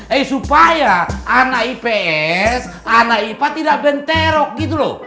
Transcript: eh supaya anak ips anak ipa tidak benterok gitu loh